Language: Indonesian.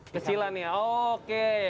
kecilan ya oke